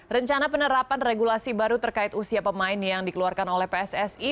rencana penerapan regulasi baru terkait usia pemain yang dikeluarkan oleh pssi